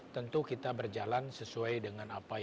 tentu kita berjalan sesuai dengan apa yang